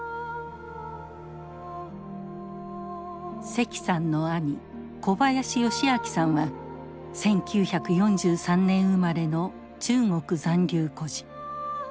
石さんの兄小林義明さんは１９４３年生まれの中国残留孤児。